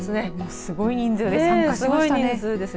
すごい人数で参加しましたね。